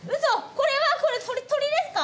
これはこれ鳥ですか？